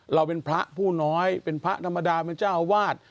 เราเป็นพระผู้น้อยเป็นพระธรรมดาเป็นเจ้าอาวาส